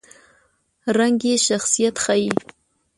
رنګ یې شخصیت ښيي.